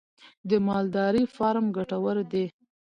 د مالدارۍ فارم ګټور دی؟